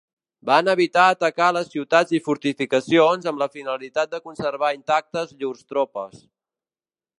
Van evitar atacar les ciutats i fortificacions amb la finalitat de conservar intactes llurs tropes.